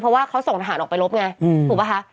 เพราะว่าเขาส่งทหารออกไปลบไงถูกป่ะคะ